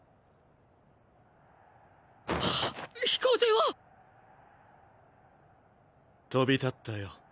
飛行艇は⁉飛び立ったよ。